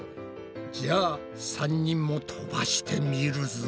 じゃあ３人も飛ばしてみるぞ。